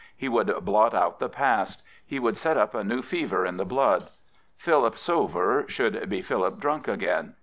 He would blot out the past. He would set up a new fever in the blood. Philip sober should be Philip drunk again.